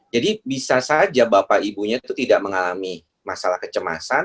jadi bisa saja bapak ibunya itu tidak mengalami masalah kecemasan